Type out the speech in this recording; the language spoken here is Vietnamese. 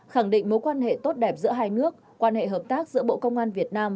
khẳng định mối quan hệ tốt đẹp giữa hai nước quan hệ hợp tác giữa bộ công an việt nam